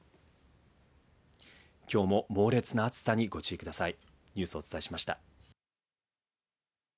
きょうも猛烈な暑さにご注意ください。